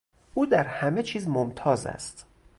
او در همه چیز ممتاز است.